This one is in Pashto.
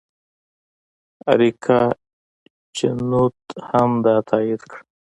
اریکا چینوت هم دا تایید کړه.